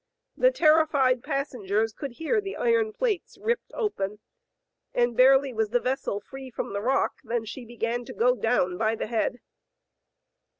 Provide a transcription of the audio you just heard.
The terrified passengers could hear the iron plates ripped open, and barely was the vessel free from the rock than she began to go down by the head.